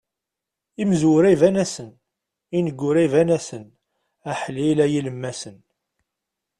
Imezwura iban-asen, ineggura iban-asen, aḥlil a yilemmasen.